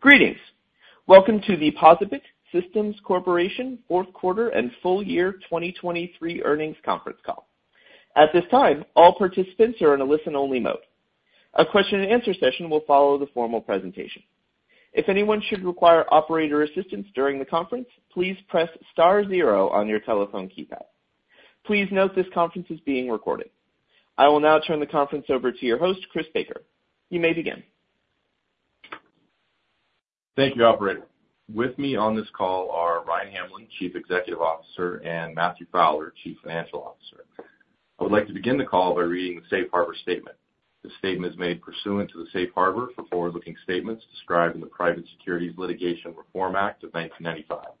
Greetings. Welcome to the POSaBIT Systems Corporation fourth quarter and full year 2023 earnings conference call. At this time, all participants are in a listen-only mode. A question-and-answer session will follow the formal presentation. If anyone should require operator assistance during the conference, please press star zero on your telephone keypad. Please note this conference is being recorded. I will now turn the conference over to your host, Chris Baker. You may begin. Thank you, Operator. With me on this call are Ryan Hamlin, Chief Executive Officer, and Matthew Fowler, Chief Financial Officer. I would like to begin the call by reading the Safe Harbor Statement. This statement is made pursuant to the Safe Harbor for forward-looking statements described in the Private Securities Litigation Reform Act of 1995.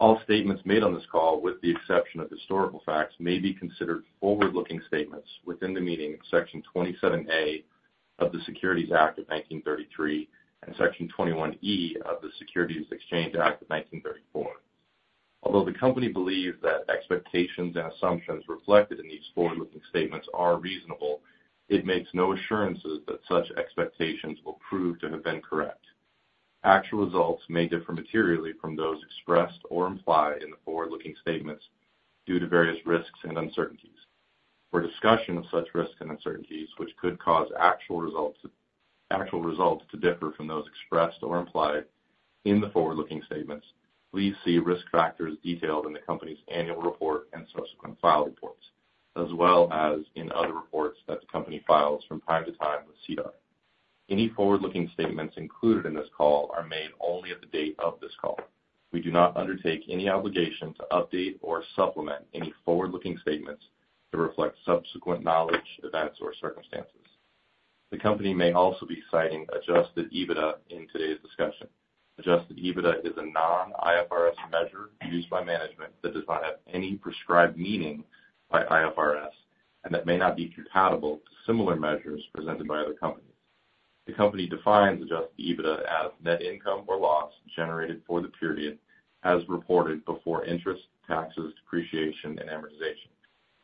All statements made on this call, with the exception of historical facts, may be considered forward-looking statements within the meaning of Section 27A of the Securities Act of 1933 and Section 21E of the Securities Exchange Act of 1934. Although the company believes that expectations and assumptions reflected in these forward-looking statements are reasonable, it makes no assurances that such expectations will prove to have been correct. Actual results may differ materially from those expressed or implied in the forward-looking statements due to various risks and uncertainties. For discussion of such risks and uncertainties, which could cause actual results to differ from those expressed or implied in the forward-looking statements, please see risk factors detailed in the company's annual report and subsequent filed reports, as well as in other reports that the company files from time to time with SEDAR. Any forward-looking statements included in this call are made only at the date of this call. We do not undertake any obligation to update or supplement any forward-looking statements to reflect subsequent knowledge, events, or circumstances. The company may also be citing adjusted EBITDA in today's discussion. Adjusted EBITDA is a non-IFRS measure used by management that does not have any prescribed meaning by IFRS and that may not be compatible with similar measures presented by other companies. The company defines Adjusted EBITDA as net income or loss generated for the period as reported before interest, taxes, depreciation, and amortization.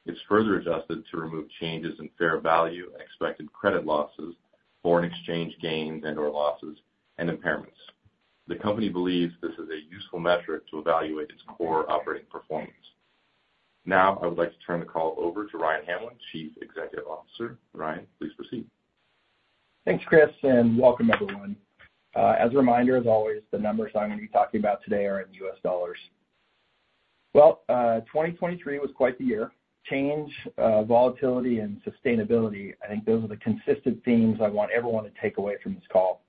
It's further adjusted to remove changes in fair value and expected credit losses, foreign exchange gains and/or losses, and impairments. The company believes this is a useful metric to evaluate its core operating performance. Now, I would like to turn the call over to Ryan Hamlin, Chief Executive Officer. Ryan, please proceed. Thanks, Chris, and welcome, everyone. As a reminder, as always, the numbers I'm going to be talking about today are in US dollars. Well, 2023 was quite the year. Change, volatility, and sustainability, I think those are the consistent themes I want everyone to take away from this call.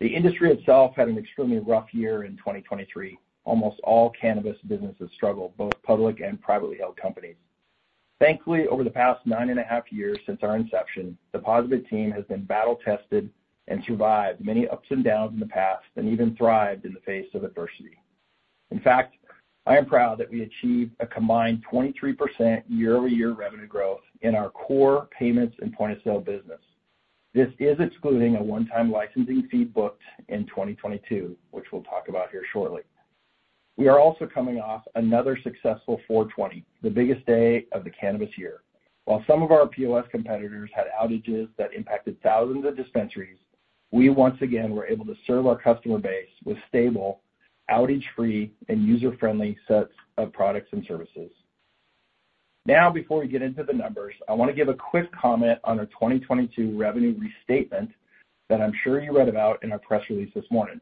The industry itself had an extremely rough year in 2023. Almost all cannabis businesses struggled, both public and privately held companies. Thankfully, over the past nine and a half years since our inception, the POSaBIT team has been battle-tested and survived many ups and downs in the past and even thrived in the face of adversity. In fact, I am proud that we achieved a combined 23% year-over-year revenue growth in our core payments and point-of-sale business. This is excluding a one-time licensing fee booked in 2022, which we'll talk about here shortly. We are also coming off another successful 4/20, the biggest day of the cannabis year. While some of our POS competitors had outages that impacted thousands of dispensaries, we once again were able to serve our customer base with stable, outage-free, and user-friendly sets of products and services. Now, before we get into the numbers, I want to give a quick comment on our 2022 revenue restatement that I'm sure you read about in our press release this morning.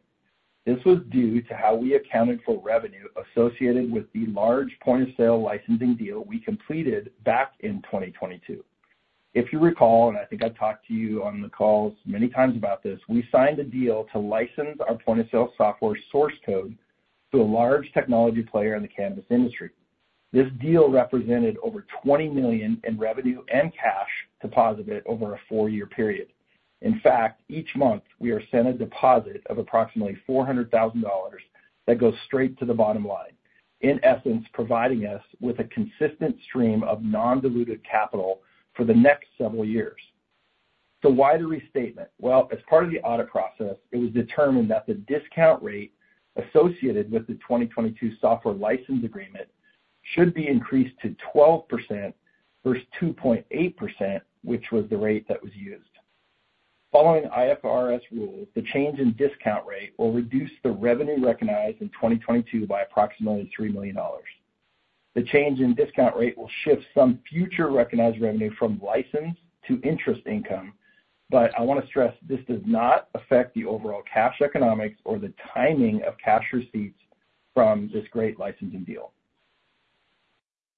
This was due to how we accounted for revenue associated with the large point-of-sale licensing deal we completed back in 2022. If you recall, and I think I've talked to you on the calls many times about this, we signed a deal to license our point-of-sale software source code to a large technology player in the cannabis industry. This deal represented over $20 million in revenue and cash to POSaBIT over a four-year period. In fact, each month, we are sent a deposit of approximately $400,000 that goes straight to the bottom line, in essence, providing us with a consistent stream of non-diluted capital for the next several years. So why the restatement? Well, as part of the audit process, it was determined that the discount rate associated with the 2022 software license agreement should be increased to 12% versus 2.8%, which was the rate that was used. Following IFRS rules, the change in discount rate will reduce the revenue recognized in 2022 by approximately $3 million. The change in discount rate will shift some future recognized revenue from license to interest income, but I want to stress this does not affect the overall cash economics or the timing of cash receipts from this great licensing deal.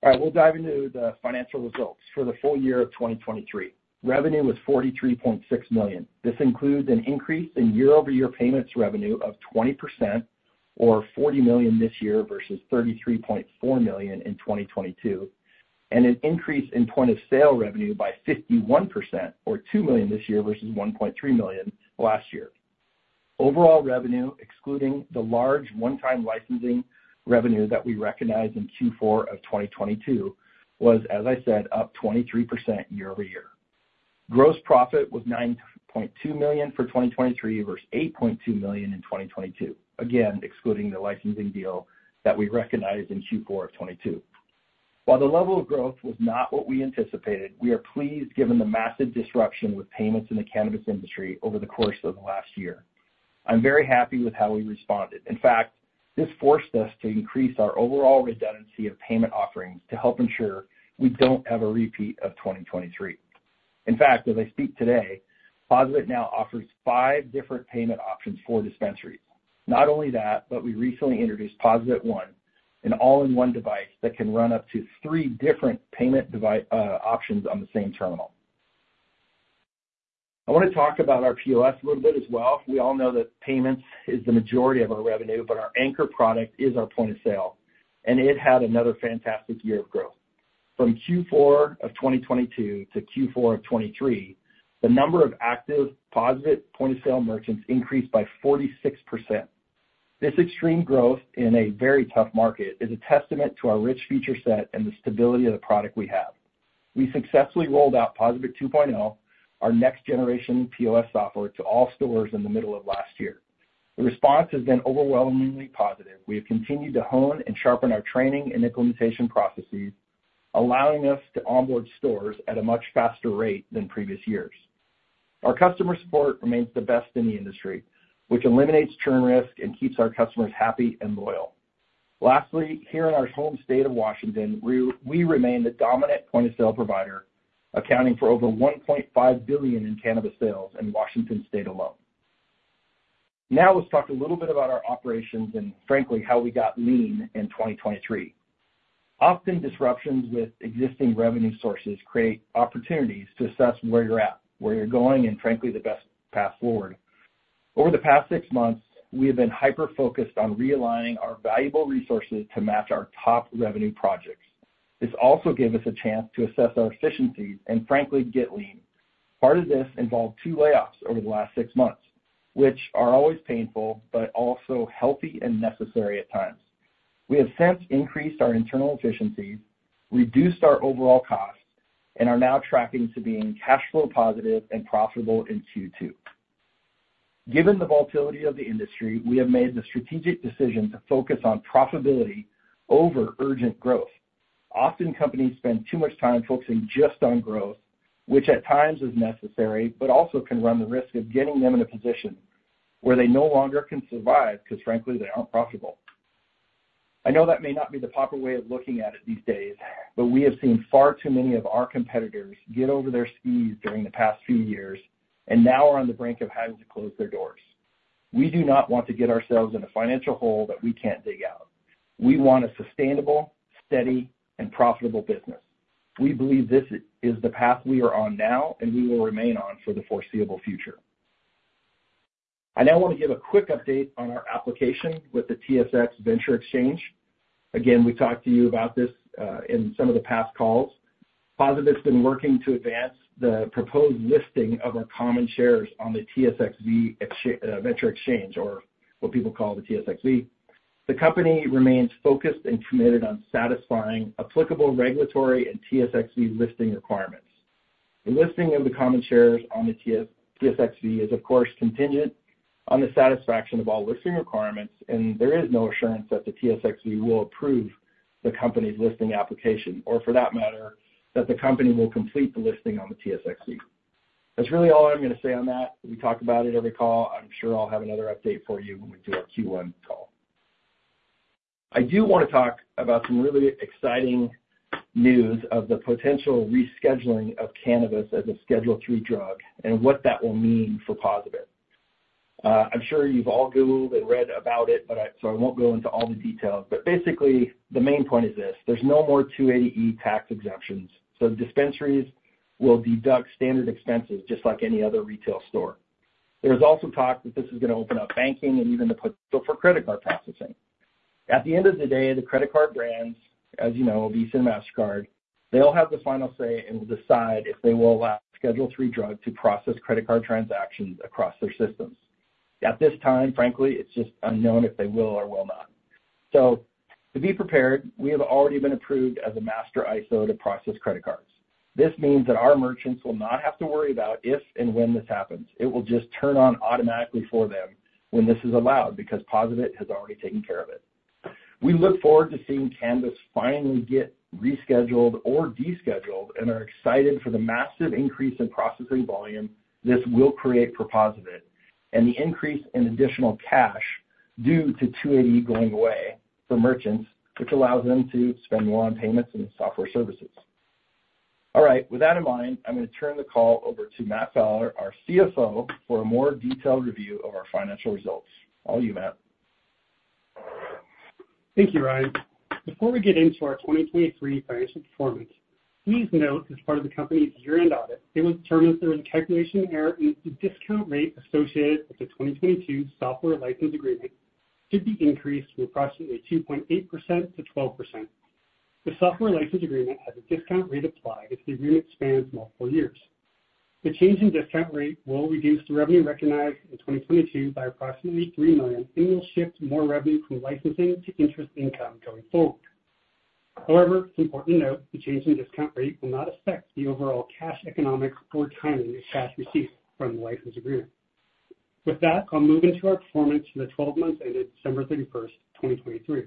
All right, we'll dive into the financial results for the full year of 2023. Revenue was $43.6 million. This includes an increase in year-over-year payments revenue of 20% or $40 million this year versus $33.4 million in 2022, and an increase in point-of-sale revenue by 51% or $2 million this year versus $1.3 million last year. Overall revenue, excluding the large one-time licensing revenue that we recognized in Q4 of 2022, was, as I said, up 23% year-over-year. Gross profit was $9.2 million for 2023 versus $8.2 million in 2022, again, excluding the licensing deal that we recognized in Q4 of 2022. While the level of growth was not what we anticipated, we are pleased given the massive disruption with payments in the cannabis industry over the course of the last year. I'm very happy with how we responded. In fact, this forced us to increase our overall redundancy of payment offerings to help ensure we don't have a repeat of 2023. In fact, as I speak today, POSaBIT now offers 5 different payment options for dispensaries. Not only that, but we recently introduced POSaBIT One, an all-in-one device that can run up to three different payment options on the same terminal. I want to talk about our POS a little bit as well. We all know that payments is the majority of our revenue, but our anchor product is our point of sale, and it had another fantastic year of growth. From Q4 of 2022 to Q4 of 2023, the number of active POSaBIT point-of-sale merchants increased by 46%. This extreme growth in a very tough market is a testament to our rich feature set and the stability of the product we have. We successfully rolled out POSaBIT 2.0, our next-generation POS software, to all stores in the middle of last year. The response has been overwhelmingly positive. We have continued to hone and sharpen our training and implementation processes, allowing us to onboard stores at a much faster rate than previous years. Our customer support remains the best in the industry, which eliminates churn risk and keeps our customers happy and loyal. Lastly, here in our home state of Washington, we remain the dominant point-of-sale provider, accounting for over $1.5 billion in cannabis sales in Washington state alone. Now, let's talk a little bit about our operations and, frankly, how we got lean in 2023. Often, disruptions with existing revenue sources create opportunities to assess where you're at, where you're going, and, frankly, the best path forward. Over the past six months, we have been hyper-focused on realigning our valuable resources to match our top revenue projects. This also gave us a chance to assess our efficiencies and, frankly, get lean. Part of this involved two layoffs over the last six months, which are always painful but also healthy and necessary at times. We have since increased our internal efficiencies, reduced our overall costs, and are now tracking to being cash flow positive and profitable in Q2. Given the volatility of the industry, we have made the strategic decision to focus on profitability over urgent growth. Often, companies spend too much time focusing just on growth, which at times is necessary but also can run the risk of getting them in a position where they no longer can survive because, frankly, they aren't profitable. I know that may not be the proper way of looking at it these days, but we have seen far too many of our competitors get over their skis during the past few years and now are on the brink of having to close their doors. We do not want to get ourselves in a financial hole that we can't dig out. We want a sustainable, steady, and profitable business. We believe this is the path we are on now and we will remain on for the foreseeable future. I now want to give a quick update on our application with the TSX Venture Exchange. Again, we talked to you about this in some of the past calls. POSaBIT's been working to advance the proposed listing of our common shares on the TSX Venture Exchange, or what people call the TSXV. The company remains focused and committed on satisfying applicable regulatory and TSXV listing requirements. The listing of the common shares on the TSXV is, of course, contingent on the satisfaction of all listing requirements, and there is no assurance that the TSXV will approve the company's listing application or, for that matter, that the company will complete the listing on the TSXV. That's really all I'm going to say on that. We talk about it every call. I'm sure I'll have another update for you when we do our Q1 call. I do want to talk about some really exciting news of the potential rescheduling of cannabis as a Schedule III drug and what that will mean for POSaBIT. I'm sure you've all Googled and read about it, so I won't go into all the details. Basically, the main point is this: there's no more 280E tax exemptions, so dispensaries will deduct standard expenses just like any other retail store. There is also talk that this is going to open up banking and even the potential for credit card processing. At the end of the day, the credit card brands, as you know, Visa and Mastercard, they'll have the final say and will decide if they will allow Schedule III drugs to process credit card transactions across their systems. At this time, frankly, it's just unknown if they will or will not. To be prepared, we have already been approved as a master ISO to process credit cards. This means that our merchants will not have to worry about if and when this happens. It will just turn on automatically for them when this is allowed because POSaBIT has already taken care of it. We look forward to seeing cannabis finally get rescheduled or descheduled and are excited for the massive increase in processing volume this will create for POSaBIT and the increase in additional cash due to 280E going away for merchants, which allows them to spend more on payments and software services. All right, with that in mind, I'm going to turn the call over to Matt Fowler, our CFO, for a more detailed review of our financial results. Over to you, Matt. Thank you, Ryan. Before we get into our 2023 financial performance, please note as part of the company's year-end audit, it was determined that there was a calculation error in that the discount rate associated with the 2022 software license agreement should be increased from approximately 2.8% to 12%. The software license agreement has a discount rate applied as the agreement spans multiple years. The change in discount rate will reduce the revenue recognized in 2022 by approximately $3 million and will shift more revenue from licensing to interest income going forward. However, it's important to note the change in discount rate will not affect the overall cash economics or timing of cash received from the license agreement. With that, I'll move into our performance for the 12 months ended December 31st, 2023.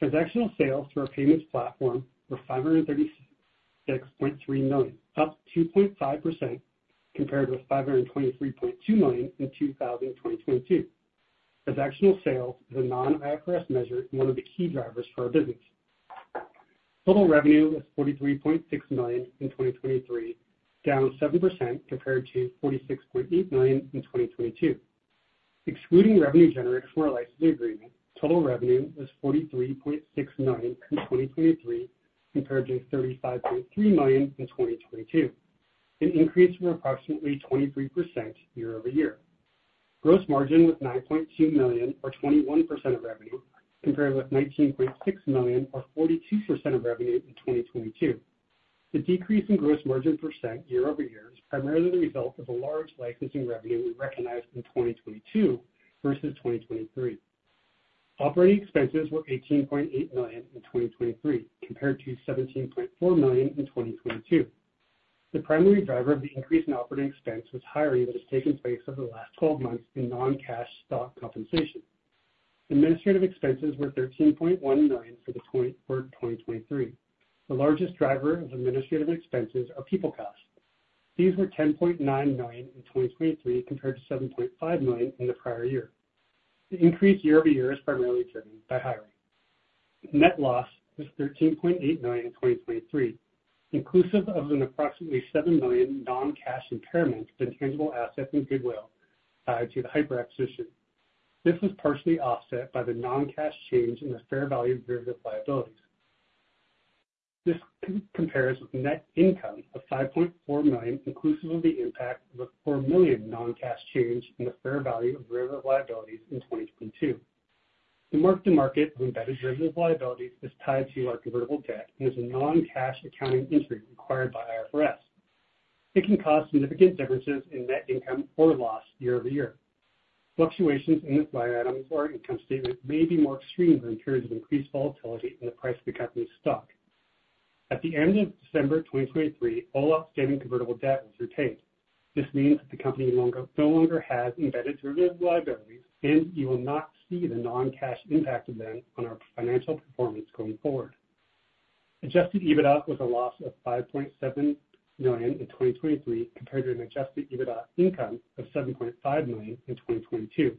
Transactional sales through our payments platform were $536.3 million, up 2.5% compared with $523.2 million in 2022. Transactional sales is a non-IFRS measure and one of the key drivers for our business. Total revenue was $43.6 million in 2023, down 7% compared to $46.8 million in 2022. Excluding revenue generated from our licensing agreement, total revenue was $43.6 million in 2023 compared to $35.3 million in 2022, an increase of approximately 23% year-over-year. Gross margin was $9.2 million or 21% of revenue compared with $19.6 million or 42% of revenue in 2022. The decrease in gross margin percent year-over-year is primarily the result of the large licensing revenue we recognized in 2022 versus 2023. Operating expenses were $18.8 million in 2023 compared to $17.4 million in 2022. The primary driver of the increase in operating expense was hiring that has taken place over the last 12 months in non-cash stock compensation. Administrative expenses were $13.1 million for 2023. The largest driver of administrative expenses are people costs. These were $10.9 million in 2023 compared to $7.5 million in the prior year. The increase year-over-year is primarily driven by hiring. Net loss was $13.8 million in 2023, inclusive of an approximately $7 million non-cash impairment to intangible assets and goodwill tied to the Hypur acquisition. This was partially offset by the non-cash change in the fair value of derivative liabilities. This compares with net income of $5.4 million inclusive of the impact of a $4 million non-cash change in the fair value of derivative liabilities in 2022. The mark-to-market of embedded derivative liabilities is tied to our convertible debt and is a non-cash accounting entry required by IFRS. It can cause significant differences in net income or loss year-over-year. Fluctuations in this line item or income statement may be more extreme during periods of increased volatility in the price of the company's stock. At the end of December 2023, all outstanding convertible debt was retained. This means that the company no longer has embedded derivative liabilities, and you will not see the non-cash impact of them on our financial performance going forward. Adjusted EBITDA was a loss of $5.7 million in 2023 compared to an adjusted EBITDA income of $7.5 million in 2022,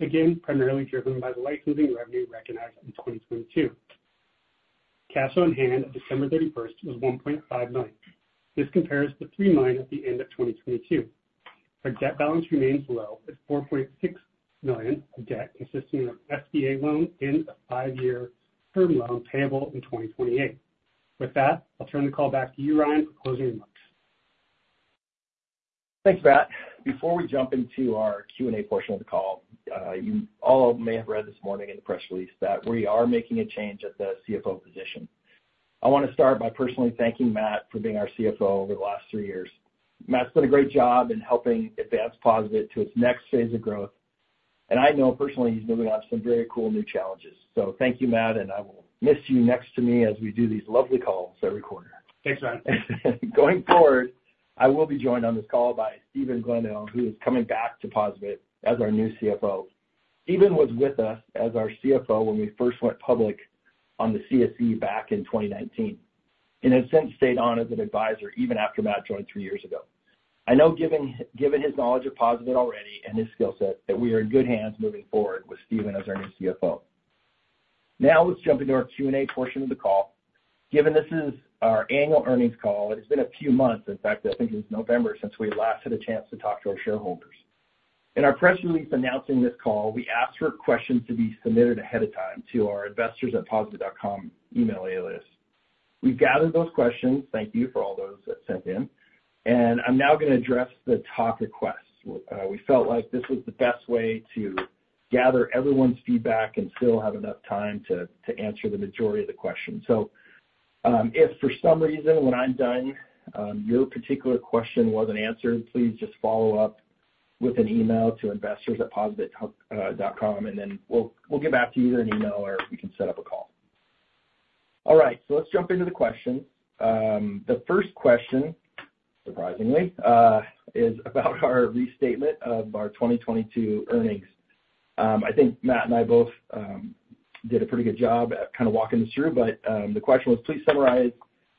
again, primarily driven by the licensing revenue recognized in 2022. Cash on hand on December 31st was $1.5 million. This compares to $3 million at the end of 2022. Our debt balance remains low at $4.6 million of debt consisting of an SBA loan and a five-year term loan payable in 2028. With that, I'll turn the call back to you, Ryan, for closing remarks. Thanks, Matt. Before we jump into our Q&A portion of the call, you all may have read this morning in the press release that we are making a change at the CFO position. I want to start by personally thanking Matt for being our CFO over the last three years. Matt's done a great job in helping advance POSaBIT to its next phase of growth, and I know personally he's moving on to some very cool new challenges. So thank you, Matt, and I will miss you next to me as we do these lovely calls every quarter. Thanks, Ryan. Going forward, I will be joined on this call by Stephen Gledhill, who is coming back to POSaBIT as our new CFO. Stephen was with us as our CFO when we first went public on the CSE back in 2019 and has since stayed on as an advisor even after Matt joined three years ago. I know given his knowledge of POSaBIT already and his skill set that we are in good hands moving forward with Stephen as our new CFO. Now, let's jump into our Q&A portion of the call. Given this is our annual earnings call, it has been a few months. In fact, I think it was November since we last had a chance to talk to our shareholders. In our press release announcing this call, we asked for questions to be submitted ahead of time to our investors@posabit.com email alias. We've gathered those questions. Thank you for all those that sent in. I'm now going to address the talk requests. We felt like this was the best way to gather everyone's feedback and still have enough time to answer the majority of the questions. If for some reason when I'm done, your particular question wasn't answered, please just follow up with an email to investors@POSaBIT.com, and then we'll give back to you either an email or we can set up a call. All right, let's jump into the questions. The first question, surprisingly, is about our restatement of our 2022 earnings. I think Matt and I both did a pretty good job at kind of walking this through, but the question was, "Please summarize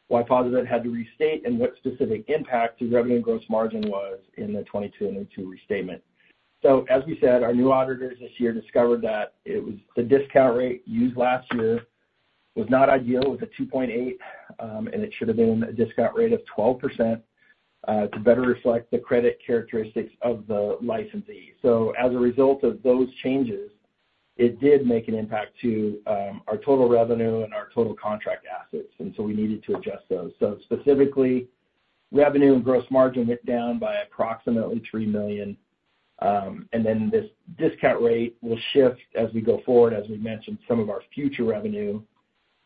why POSaBIT had to restate and what specific impact to revenue and gross margin was in the 2022 and 2023 restatement." So as we said, our new auditors this year discovered that the discount rate used last year was not ideal. It was a 2.8, and it should have been a discount rate of 12% to better reflect the credit characteristics of the licensee. So as a result of those changes, it did make an impact to our total revenue and our total contract assets, and so we needed to adjust those. So specifically, revenue and gross margin went down by approximately $3 million. Then this discount rate will shift as we go forward, as we mentioned, some of our future revenue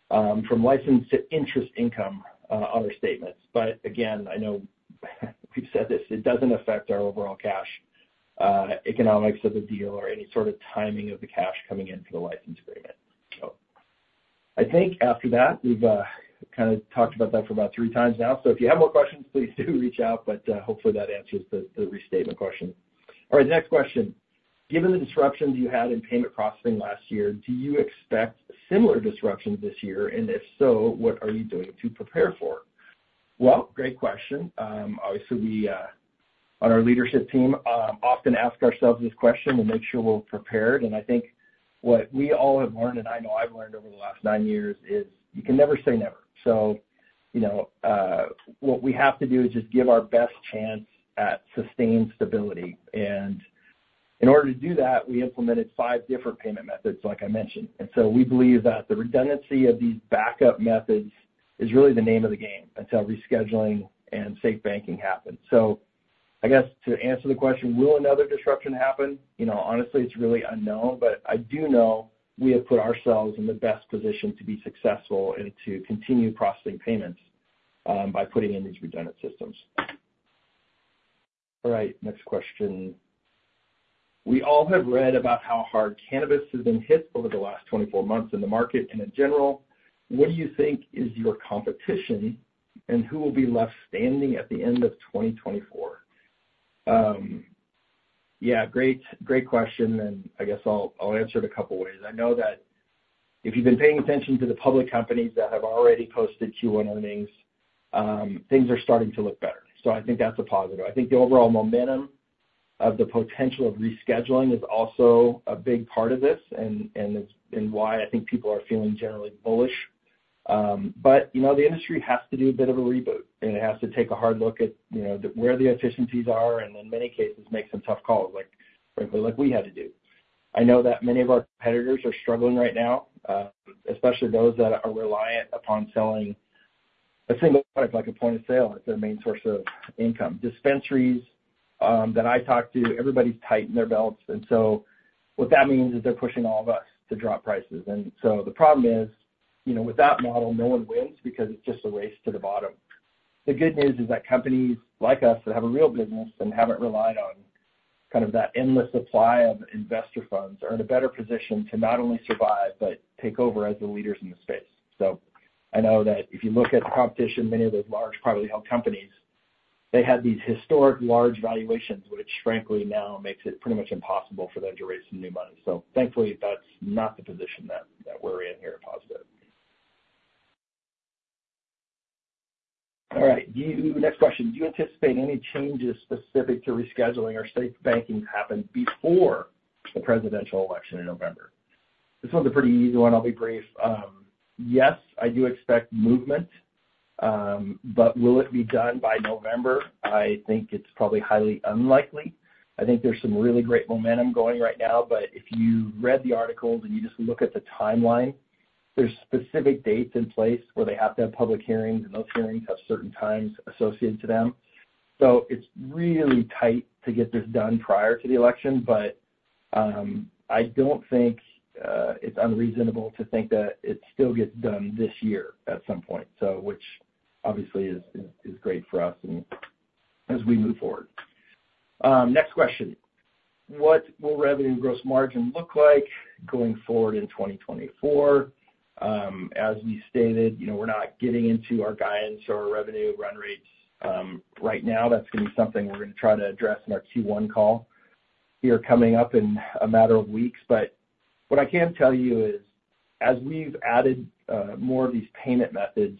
from license to interest income on our statements. But again, I know we've said this. It doesn't affect our overall cash economics of the deal or any sort of timing of the cash coming in for the license agreement, so. I think after that, we've kind of talked about that for about three times now. So if you have more questions, please do reach out, but hopefully that answers the restatement question. All right, the next question. Given the disruptions you had in payment processing last year, do you expect similar disruptions this year? And if so, what are you doing to prepare for? Well, great question. Obviously, we on our leadership team often ask ourselves this question and make sure we're prepared. And I think what we all have learned, and I know I've learned over the last nine years, is you can never say never. So what we have to do is just give our best chance at sustained stability. And in order to do that, we implemented five different payment methods, like I mentioned. And so we believe that the redundancy of these backup methods is really the name of the game until rescheduling and SAFE Banking happens. So I guess to answer the question, will another disruption happen? Honestly, it's really unknown, but I do know we have put ourselves in the best position to be successful and to continue processing payments by putting in these redundant systems. All right, next question. We all have read about how hard cannabis has been hit over the last 24 months in the market and in general. What do you think is your competition, and who will be left standing at the end of 2024? Yeah, great question, and I guess I'll answer it a couple of ways. I know that if you've been paying attention to the public companies that have already posted Q1 earnings, things are starting to look better. So I think that's a positive. I think the overall momentum of the potential of rescheduling is also a big part of this and why I think people are feeling generally bullish. But the industry has to do a bit of a reboot, and it has to take a hard look at where the efficiencies are and, in many cases, make some tough calls, frankly, like we had to do. I know that many of our competitors are struggling right now, especially those that are reliant upon selling a single product like a point of sale as their main source of income. Dispensaries that I talk to, everybody's tightening their belts. And so what that means is they're pushing all of us to drop prices. And so the problem is, with that model, no one wins because it's just a race to the bottom. The good news is that companies like us that have a real business and haven't relied on kind of that endless supply of investor funds are in a better position to not only survive but take over as the leaders in the space. So I know that if you look at the competition, many of those large privately held companies, they had these historic large valuations, which, frankly, now makes it pretty much impossible for them to raise some new money. So thankfully, that's not the position that we're in here at POSaBIT. All right, next question. Do you anticipate any changes specific to rescheduling or SAFE Banking to happen before the presidential election in November? This one's a pretty easy one. I'll be brief. Yes, I do expect movement, but will it be done by November? I think it's probably highly unlikely. I think there's some really great momentum going right now, but if you read the articles and you just look at the timeline, there's specific dates in place where they have to have public hearings, and those hearings have certain times associated to them. It's really tight to get this done prior to the election, but I don't think it's unreasonable to think that it still gets done this year at some point, which obviously is great for us as we move forward. Next question. What will revenue and gross margin look like going forward in 2024? As we stated, we're not getting into our guidance or our revenue run rates right now. That's going to be something we're going to try to address in our Q1 call here coming up in a matter of weeks. What I can tell you is, as we've added more of these payment methods,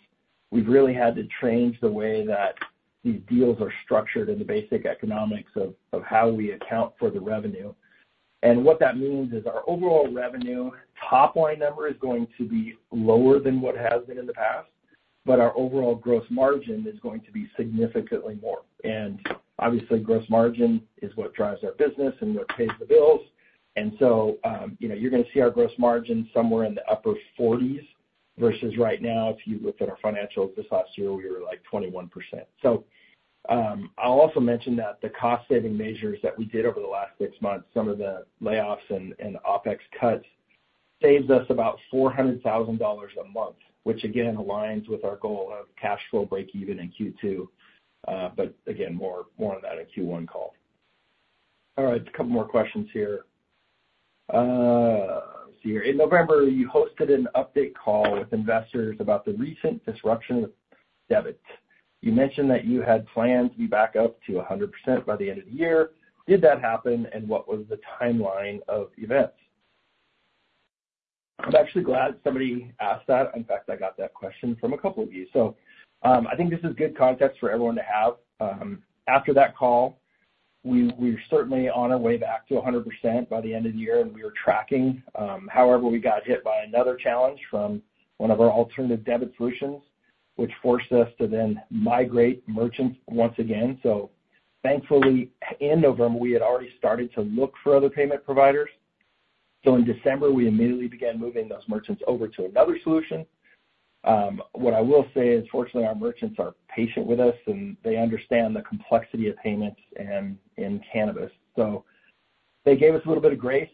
we've really had to change the way that these deals are structured and the basic economics of how we account for the revenue. What that means is our overall revenue top-line number is going to be lower than what has been in the past, but our overall gross margin is going to be significantly more. Obviously, gross margin is what drives our business and what pays the bills. So you're going to see our gross margin somewhere in the upper 40s% versus right now, if you look at our financials this last year, we were like 21%. I'll also mention that the cost-saving measures that we did over the last six months, some of the layoffs and OpEx cuts, saves us about $400,000 a month, which, again, aligns with our goal of cash flow break-even in Q2. But again, more on that in Q1 call. All right, a couple more questions here. Let's see here. In November, you hosted an update call with investors about the recent disruption of debit. You mentioned that you had plans to be back up to 100% by the end of the year. Did that happen, and what was the timeline of events? I'm actually glad somebody asked that. In fact, I got that question from a couple of you. So I think this is good context for everyone to have. After that call, we were certainly on our way back to 100% by the end of the year, and we were tracking. However, we got hit by another challenge from one of our alternative debit solutions, which forced us to then migrate merchants once again. So thankfully, in November, we had already started to look for other payment providers. So in December, we immediately began moving those merchants over to another solution. What I will say is, fortunately, our merchants are patient with us, and they understand the complexity of payments in cannabis. So they gave us a little bit of grace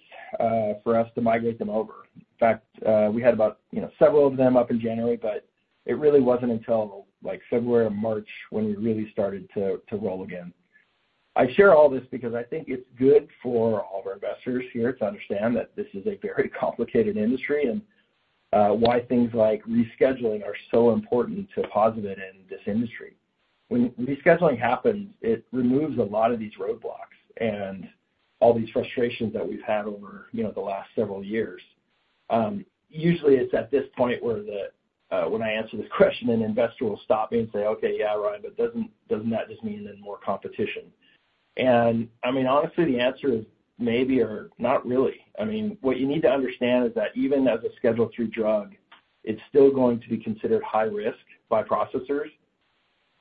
for us to migrate them over. In fact, we had about several of them up in January, but it really wasn't until February or March when we really started to roll again. I share all this because I think it's good for all of our investors here to understand that this is a very complicated industry and why things like rescheduling are so important to POSaBIT in this industry. When rescheduling happens, it removes a lot of these roadblocks and all these frustrations that we've had over the last several years. Usually, it's at this point where when I answer this question, an investor will stop me and say, "Okay, yeah, Ryan, but doesn't that just mean then more competition?" And I mean, honestly, the answer is maybe or not really. I mean, what you need to understand is that even as a Schedule III drug, it's still going to be considered high-risk by processors,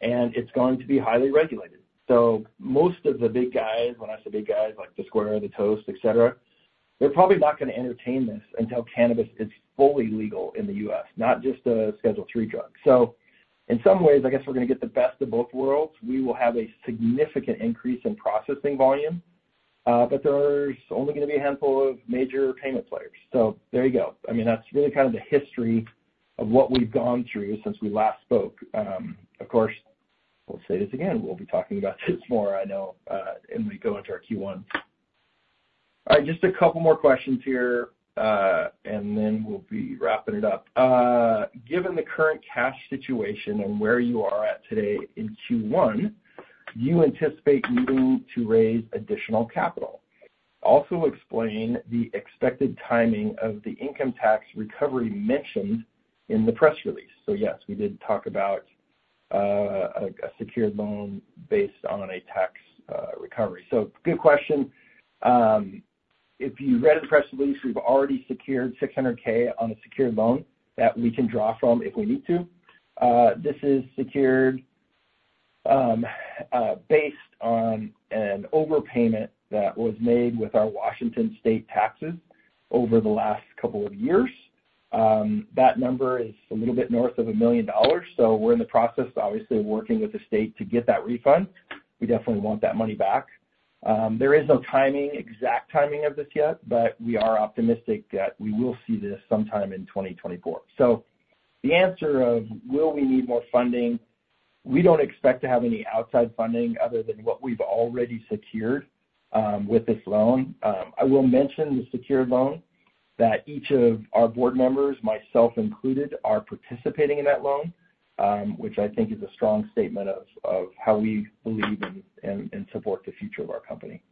and it's going to be highly regulated. So most of the big guys when I say big guys, like the Square, the Toast, etc., they're probably not going to entertain this until cannabis is fully legal in the U.S., not just a Schedule III drug. So in some ways, I guess we're going to get the best of both worlds. We will have a significant increase in processing volume, but there's only going to be a handful of major payment players. So there you go. I mean, that's really kind of the history of what we've gone through since we last spoke. Of course, we'll say this again. We'll be talking about this more, I know, when we go into our Q1. All right, just a couple more questions here, and then we'll be wrapping it up. Given the current cash situation and where you are at today in Q1, do you anticipate needing to raise additional capital? Also, explain the expected timing of the income tax recovery mentioned in the press release. So yes, we did talk about a secured loan based on a tax recovery. So good question. If you read the press release, we've already secured $600,000 on a secured loan that we can draw from if we need to. This is secured based on an overpayment that was made with our Washington state taxes over the last couple of years. That number is a little bit north of $1 million. So we're in the process, obviously, of working with the state to get that refund. We definitely want that money back. There is no exact timing of this yet, but we are optimistic that we will see this sometime in 2024. So the answer of, "Will we need more funding?" We don't expect to have any outside funding other than what we've already secured with this loan. I will mention the secured loan that each of our board members, myself included, are participating in that loan, which I think is a strong statement of how we believe in supporting the future of our company.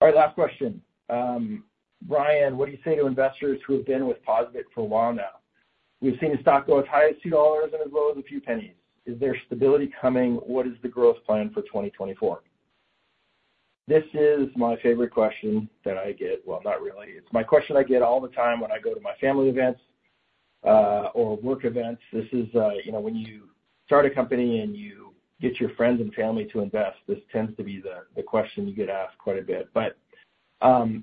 All right, last question. Ryan, what do you say to investors who have been with POSaBIT for a while now? We've seen the stock go as high as $2 and as low as a few pennies. Is there stability coming? What is the growth plan for 2024? This is my favorite question that I get. Well, not really. It's my question I get all the time when I go to my family events or work events. This is when you start a company and you get your friends and family to invest. This tends to be the question you get asked quite a bit. But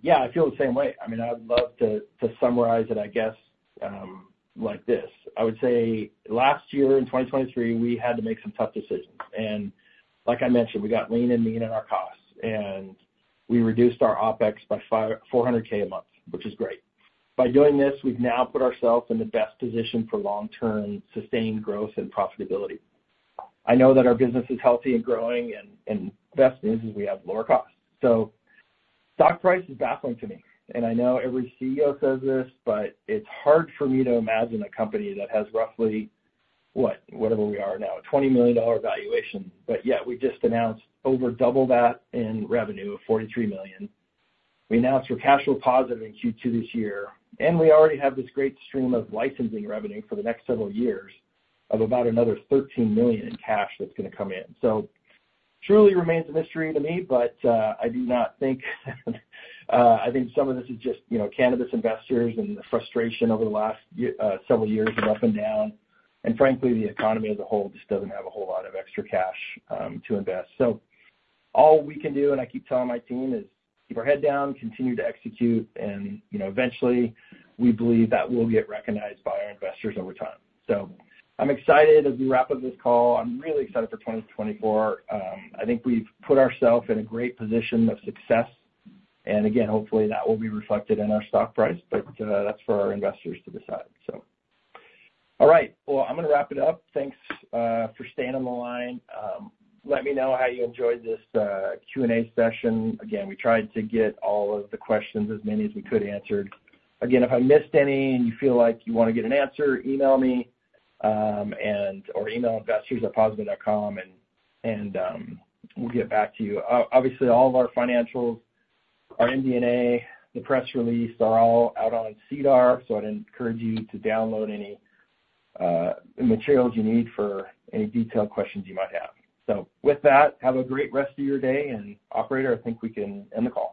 yeah, I feel the same way. I mean, I would love to summarize it, I guess, like this. I would say last year, in 2023, we had to make some tough decisions. And like I mentioned, we got lean and mean on our costs, and we reduced our OpEx by $400,000 a month, which is great. By doing this, we've now put ourselves in the best position for long-term sustained growth and profitability. I know that our business is healthy and growing, and the best news is we have lower costs. So stock price is baffling to me. And I know every CEO says this, but it's hard for me to imagine a company that has roughly, what, whatever we are now, a $20 million valuation, but yet we just announced over double that in revenue of $43 million. We're cash flow positive in Q2 this year, and we already have this great stream of licensing revenue for the next several years of about another $13 million in cash that's going to come in. So truly remains a mystery to me, but I do not think some of this is just cannabis investors and the frustration over the last several years of up and down. And frankly, the economy as a whole just doesn't have a whole lot of extra cash to invest. So all we can do, and I keep telling my team, is keep our head down, continue to execute. And eventually, we believe that will get recognized by our investors over time. So I'm excited as we wrap up this call. I'm really excited for 2024. I think we've put ourselves in a great position of success. And again, hopefully, that will be reflected in our stock price, but that's for our investors to decide, so. All right, well, I'm going to wrap it up. Thanks for staying on the line. Let me know how you enjoyed this Q&A session. Again, we tried to get all of the questions, as many as we could, answered. Again, if I missed any and you feel like you want to get an answer, email me or email investors@POSaBIT.com, and we'll get back to you. Obviously, all of our financials, our MD&A, the press release are all out on SEDAR, so I'd encourage you to download any materials you need for any detailed questions you might have. So with that, have a great rest of your day, and operator, I think we can end the call.